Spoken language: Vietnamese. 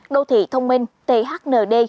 đô thị thông minh thnd